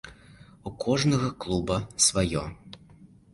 У кожнага клуба сваё.